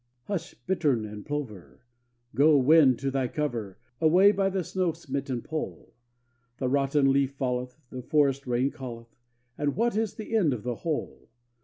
Hush, bittern and plover! Go, wind, to thy cover Away by the snow smitten Pole! The rotten leaf falleth, the forest rain calleth; And what is the end of the whole?